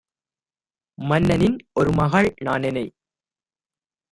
மன்ன! நின் ஒருமகள் நான் - எனை